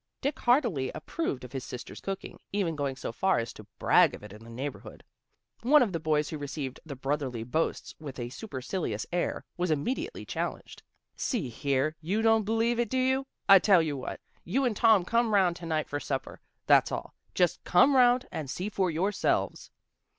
Dick heartily approved of his sister's cooking, even going so far as to brag of it in the neighborhood. One of the boys who received the brotherly boasts with a supercilious air, was immediately chal lenged. " See here, you don't believe it, do you? I tell you what! You and Tom come 'round to night to supper. That's all. Just come 'round and see for yourselves."